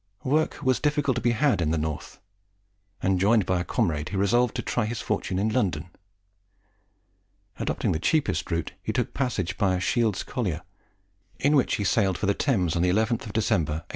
Work was difficult to be had in the North, and, joined by a comrade, he resolved to try his fortune in London. Adopting the cheapest route, he took passage by a Shields collier, in which he sailed for the Thames on the 11th of December, 1811.